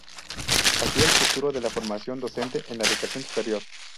Hacía el futuro de la formación docente en la educación superior.